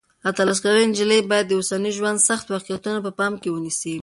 اتلس کلنه نجلۍ باید د اوسني ژوند سخت واقعیتونه په پام کې ونیسي.